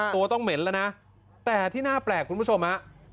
ตัวต้องเหม็นแล้วนะแต่ที่น่าแปลกคุณผู้ชมฮะ